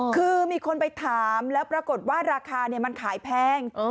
คือมีคนไปถามแล้วปรากฏว่าราคามันขายแพง